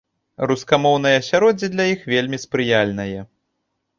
Рускамоўнае асяроддзе для іх вельмі спрыяльнае.